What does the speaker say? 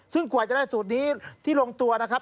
ซึ่งกว่าจะได้สูตรนี้ที่ลงตัวนะครับ